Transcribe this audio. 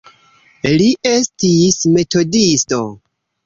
Li estis metodisto.